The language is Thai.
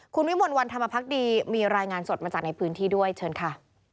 คุณวิมลวันธรรมพักดีมีรายงานสดมาจากในพื้นที่ด้วยเชิญค่ะ